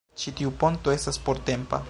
Ĉi tiu ponto estas portempa